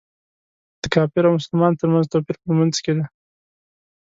د کافر او مسلمان تر منځ توپیر په لمونځ کې دی.